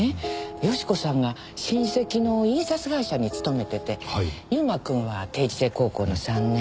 喜子さんが親戚の印刷会社に勤めてて悠馬くんは定時制高校の３年。